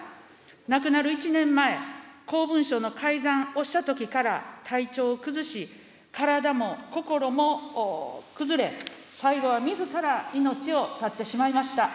亡くなる１年前、公文書の改ざんをしたときから体調を崩し、体も心も崩れ、最後はみずから命を絶ってしまいました。